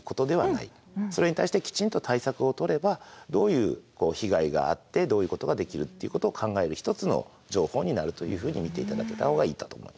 それに対してきちんと対策を取ればどういう被害があってどういうことができるっていうことを考える一つの情報になるというふうに見ていただけた方がいいかと思います。